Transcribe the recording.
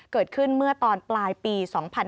เกิดขึ้นเมื่อตอนปลายปี๒๕๕๙